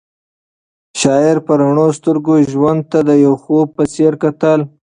شاعر په رڼو سترګو ژوند ته د یو خوب په څېر کتل.